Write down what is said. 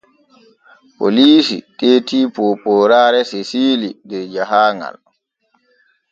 Poliisi teeti poopooraare Sesiili der jahaaŋal.